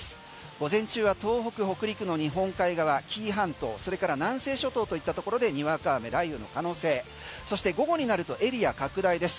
午前中は東北、北陸の日本海側紀伊半島、それから南西諸島といったところでにわか雨、雷雨の可能性そして午後になるとエリア拡大です。